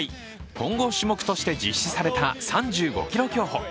混合種目として実施された３５ｋｍ競歩。